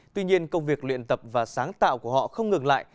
tuy nhiên công việc luyện tập và sáng tạo của họ không ngừng lại